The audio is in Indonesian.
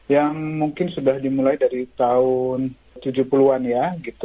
yang mungkin sudah dimulai dari tahun tujuh puluh an ya